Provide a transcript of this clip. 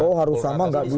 oh harus sama enggak bisa